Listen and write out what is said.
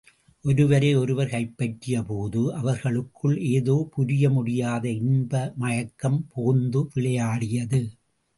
ஒருவரை ஒருவர் கைப்பற்றியபோது அவர்களுக்குள் ஏதோ புரிய முடியாத இன்ப மயக்கம் புகுந்து விளையாடியது.